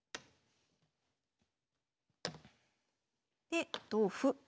で同歩。